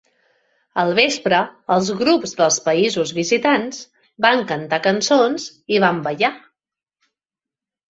Al vespre, els grups dels països visitants van cantar cançons i van ballar.